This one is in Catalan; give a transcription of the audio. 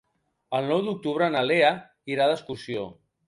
El nou d'octubre na Lea irà d'excursió.